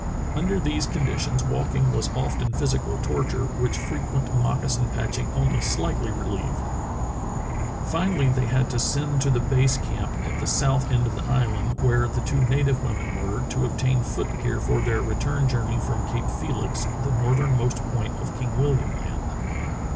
Under these condi tions walking was often physical torture, which fre quent moccasin patching only sHghtly relieved. Fi nally they had to send to the base camp at the south end of the island, where the two native women were, to obtain foot gear for their return journey from Cape Felix, the northernmost point of King William Land.